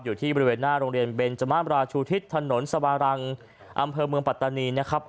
อยู่ที่บริเวณหน้าโรงเรียนเบนจมราชูทิศถนนสวารังอำเภอเมืองปัตตานีนะครับ